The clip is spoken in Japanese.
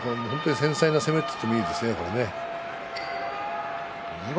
繊細な攻めて言ってもいいですね。